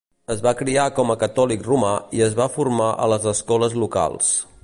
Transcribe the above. Es va criar com a catòlic romà i es va formar a les escoles locals.